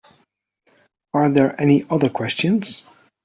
Are there any other questions?